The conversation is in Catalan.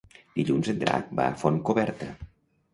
Dilluns en Drac va a Fontcoberta.